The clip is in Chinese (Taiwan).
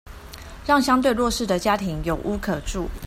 讓相對弱勢的家庭有屋可住